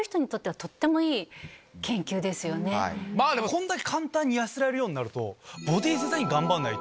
こんだけ簡単に痩せられるようになると。